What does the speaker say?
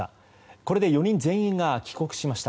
これで４人全員が帰国しました。